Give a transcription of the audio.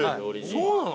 そうなの？